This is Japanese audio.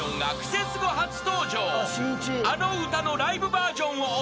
［あの歌のライブバージョンをお届け］